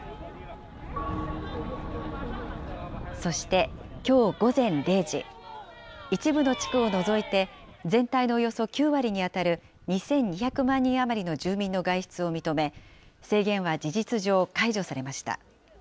そして、きょう午前０時、一部の地区を除いて、全体のおよそ９割に当たる２２００万人余りの住民の外出を認め、制限は事実上、解除されました。